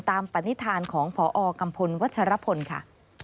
ปณิธานของพอกัมพลวัชรพลค่ะ